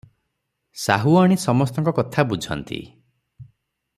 ସାହୁଆଣୀ ସମସ୍ତଙ୍କ କଥା ବୁଝନ୍ତି ।